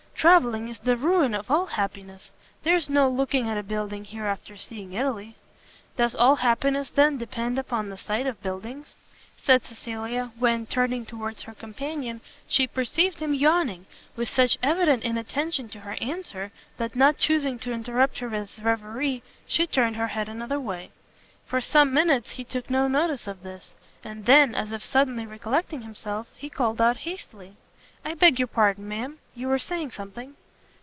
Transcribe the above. Travelling is the ruin of all happiness! There's no looking at a building here after seeing Italy." "Does all happiness, then, depend upon the sight of buildings?" said Cecilia, when, turning towards her companion, she perceived him yawning, with such evident inattention to her answer, that not chusing to interrupt his reverie, she turned her head another way. For some minutes he took no notice of this; and then, as if suddenly recollecting himself, he called out hastily, "I beg your pardon, ma'am, you were saying something?"